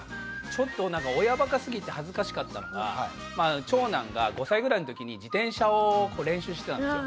ちょっとなんか親バカすぎて恥ずかしかったのが長男が５歳ぐらいのときに自転車を練習してたんですよ。